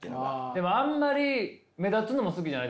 でもあんまり目立つのも好きじゃない？